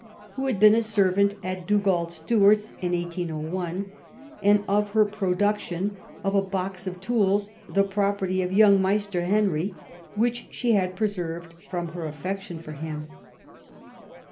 19 who had heen a servant at Dagald Stewart's in 1801, and of her production of a hox of tools, the property of * young Maister Henry,' which she had preserved from her affection for him.